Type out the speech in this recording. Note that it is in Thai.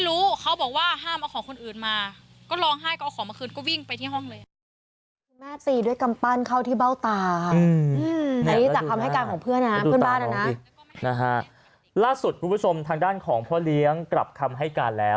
คุณผู้ชมทางด้านของพ่อเลี้ยงกลับคำให้การแล้ว